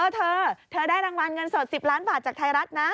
เธอเธอได้รางวัลเงินสด๑๐ล้านบาทจากไทยรัฐนะ